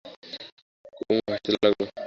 কুমু হাসতে লাগল।